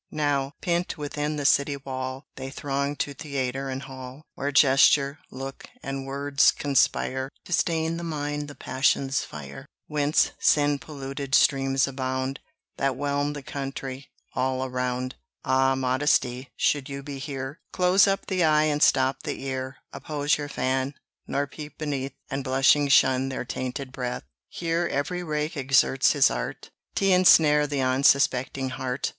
Now, pent within the city wall, They throng to theatre and hall, Where gesture, look, and words conspire, To stain the mind, the passions fire; Whence sin polluted streams abound, That whelm the country all around. Ah! Modesty, should you be here, Close up the eye and stop the ear; Oppose your fan, nor peep beneath, And blushing shun their tainted breath. Here every rake exerts his art T' ensnare the unsuspecting heart.